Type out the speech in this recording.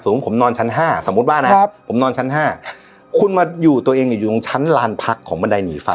ผมนอนชั้น๕สมมุติว่านะผมนอนชั้น๕คุณมาอยู่ตัวเองอยู่ตรงชั้นลานพักของบันไดหนีไฟ